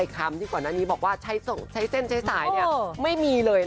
คำที่ก่อนหน้านี้บอกว่าใช้เส้นใช้สายไม่มีเลย